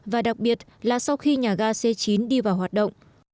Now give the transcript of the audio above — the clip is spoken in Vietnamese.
và đặc biệt là sau khi nhà ga c chín đi vào hoạt động